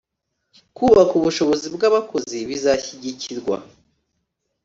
kubaka ubushobozi bw'abakozi bizashyigikirwa